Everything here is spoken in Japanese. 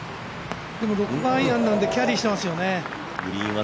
６番アイアンなんでキャリーしていますよね。